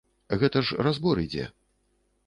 Гэта ж разбор ідзе.